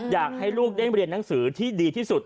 อยากให้ลูกได้เรียนหนังสือที่ดีที่สุด